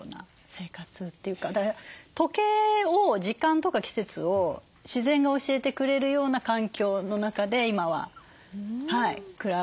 時計を時間とか季節を自然が教えてくれるような環境の中で今は暮らさせてもらってます。